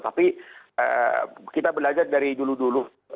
tapi kita belajar dari dulu dulu